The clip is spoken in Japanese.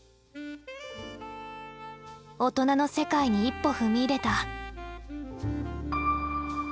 大人の世界に一歩踏み入れた